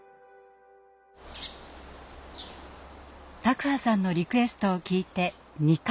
卓巴さんのリクエストを聞いて２か月。